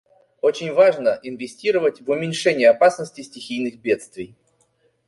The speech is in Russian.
Очень важно инвестировать в уменьшение опасности стихийных бедствий.